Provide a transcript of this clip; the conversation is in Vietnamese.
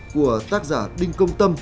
của tác giả đinh công tâm